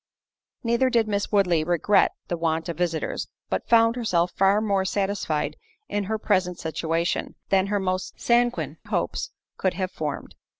Neither did Miss Woodley regret the want of visitors, but found herself far more satisfied in her present situation, than her most sanguine hopes could have formed.